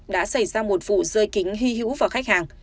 đã xảy ra một vụ rơi kính hy hữu vào khách hàng